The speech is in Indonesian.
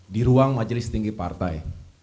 di ruang majelis tinggi partai